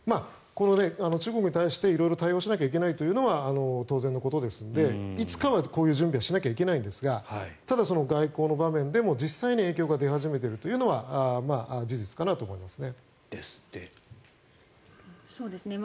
中国に対して色々対応しなきゃいけないというのは当然のことですのでいつかはこういう準備はしなきゃいけないんですがただ、外交の場面でも実際に影響が出始めているのは事実かなと思いますね。